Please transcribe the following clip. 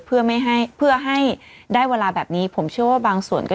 เพื่อไม่ให้เพื่อให้ได้เวลาแบบนี้ผมเชื่อว่าบางส่วนก็